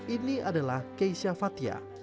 ini adalah keisha fathia